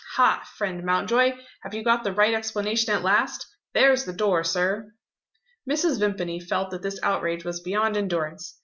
Ha, friend Mountjoy, have you got the right explanation at last? There's the door, sir!" Mrs. Vimpany felt that this outrage was beyond endurance.